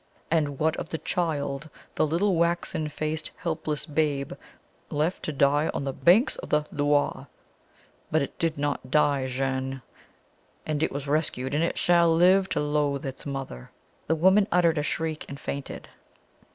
"And what of the child the little waxen faced helpless babe left to die on the banks of the Loire? But it did not die, Jeanne it was rescued; and it shall yet live to loathe its mother!" The woman uttered a shriek, and fainted.